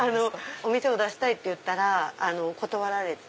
お店を出したいって言ったら断られて。